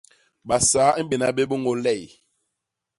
Basaa i mbéna bé bôñôl ley.